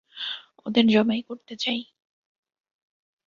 ওদের জবাই করতে চাই।